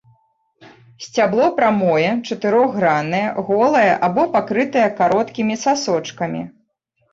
Сцябло прамое, чатырохграннае, голае або пакрытае кароткімі сасочкамі.